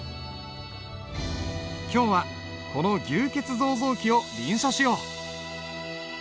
今日はこの「牛造像記」を臨書しよう。